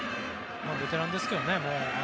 ベテランですけどね、もう。